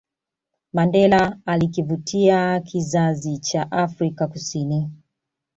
Mandela alikivutia kizazicha Afrika Kusini